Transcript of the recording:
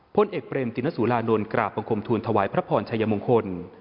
พลเอกเบรมตินสุรานนท์กราบบังคมทูลถวายพระพรชัยมงคล